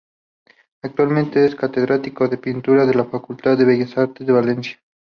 Actualmente es catedrático de Pintura de la Facultad de Bellas Artes de Valencia.